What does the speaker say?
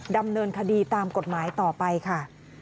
ดำเนินคดีตามกฎหมายต่อไปค่ะ